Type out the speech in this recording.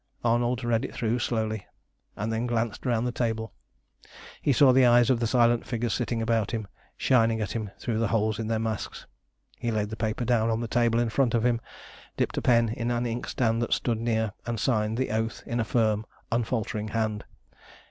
Arnold read it through slowly, and then glanced round the table. He saw the eyes of the silent figures sitting about him shining at him through the holes in their masks. He laid the paper down on the table in front of him, dipped a pen in an inkstand that stood near, and signed the oath in a firm, unfaltering hand.